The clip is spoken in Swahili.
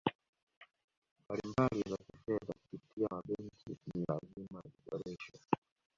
mbalimbali za Kifedha kupitia mabenki ni lazima ziboreshwe